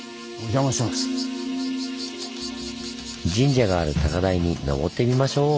神社がある高台にのぼってみましょう！